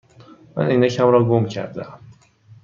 من عینکم را گم کرده ام.